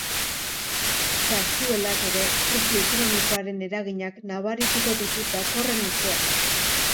Zarzuelak ere krisi ekonomikoaren eraginak nabarituko ditu datorren urtean.